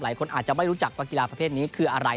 หลายคนอาจจะไม่รู้จักว่ากีฬาประเภทนี้คืออะไร